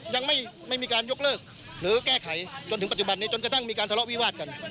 ยังไม่มีการยกเลิกหรือแก้ไขจนถึงปัจจุบันนี้จนกระทั่งมีการทะเลาะวิวาดกัน